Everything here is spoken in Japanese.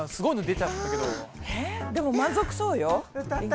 でも満足そうよ。